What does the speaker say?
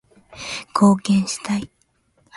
貢献したい